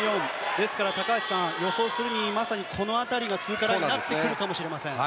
ですから、高橋さん予想するにまさにこの辺りが通過ラインになってくるかもしれません。